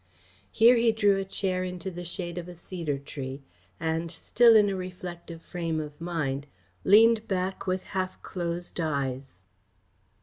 Here he drew a chair into the shade of a cedar tree and, still in a reflective frame of mind, leaned back with half closed eyes.